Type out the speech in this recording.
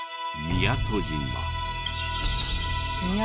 宮戸島。